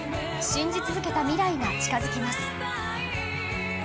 信じ続けた未来が近づきます。